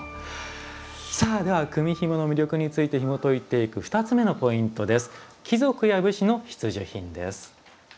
さあでは組みひもの魅力についてひもといていく２つ目のポイントです。